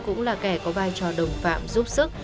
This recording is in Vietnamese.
cũng là kẻ có vai trò đồng phạm giúp sức